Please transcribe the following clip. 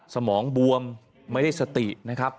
สมองบวมไม่ได้สตินะครับ